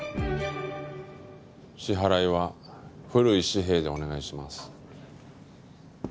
支払いは古い紙幣でお願いします。